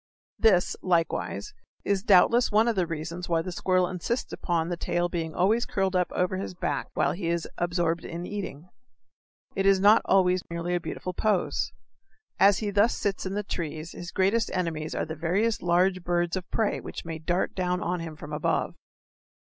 This, likewise, is doubtless one of the reasons why the squirrel insists upon the tail's being always curled up over his back while he is absorbed in eating. It is not always merely a beautiful pose. As he thus sits in the trees his greatest enemies are the various large birds of prey which may dart down on him from above.